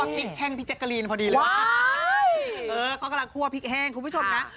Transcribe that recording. กลัวพริกขนาดนี้ว้าวเขากำลังกลัวพริกแห้งคุณผู้ชมนะ